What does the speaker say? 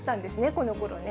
このころね。